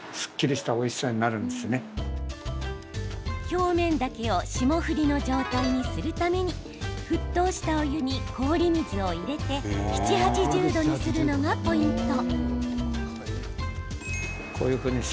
表面だけを霜降りの状態にするために沸騰したお湯に氷水を入れて７０８０度にするのがポイント。